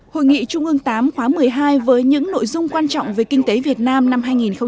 hội nghị trung ương tám khóa một mươi hai với những nội dung quan trọng về kinh tế việt nam năm hai nghìn một mươi chín